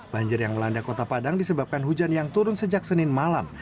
banjir yang melanda kota padang disebabkan hujan yang turun sejak senin malam